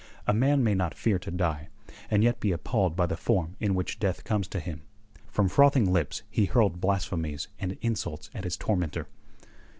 A man may not fear to die, and yet be appalled by the form in which death comes to him. From frothing lips he hurled blasphemies and insults at his tormentor.